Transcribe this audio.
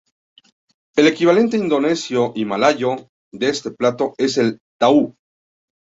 El equivalente indonesio y malayo de este plato es el tahu.